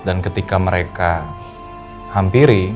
dan ketika mereka hampiri